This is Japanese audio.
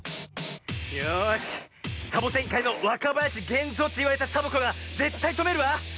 よしサボテンかいのわかばやしげんぞうといわれたサボ子がぜったいとめるわ！